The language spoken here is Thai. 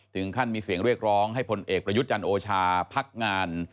ถึงขั้นมีเสียงเรียกร้องให้พลเอกประยุทธ์จันทร์โอชาพักงาน